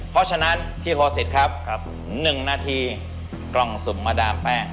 เพราะฉะนั้นพี่โคสิตครับ๑นาทีกล่องสุ่มมาดามแป้ง